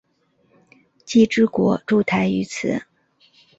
既之国筑台于此。